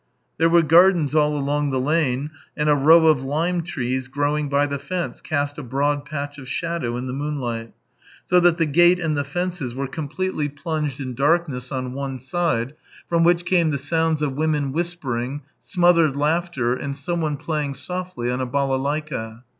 There were gardens all along the lane, and a row of lime trees growing by the fence cast a broad patch of shadow in the moonlight, so that the gate and the fences were completely plunged THREE YEARS 179 in darkness on one side, from which came the sounds of women whispering, smothered laughter, and someone playing softly on a balalaika.